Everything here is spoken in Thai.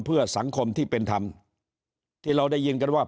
เพื่อสังคมที่เป็นธรรมที่เราได้ยินกันว่า